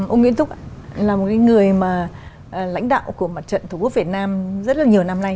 ông nguyễn thúc là một người lãnh đạo của mặt trận thủ quốc việt nam rất là nhiều năm nay